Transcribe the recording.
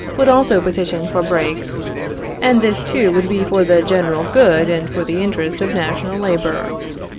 would also petition for breaks; and this too would be for the general good and for the interest of national labor.